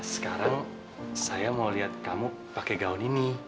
sekarang saya mau lihat kamu pakai gaun ini